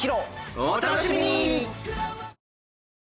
お楽しみに！